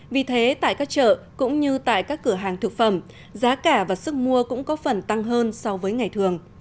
vì thế tại các chợ cũng như tại các cửa hàng thực phẩm giá cả và sức mua cũng có phần tăng hơn so với ngày thường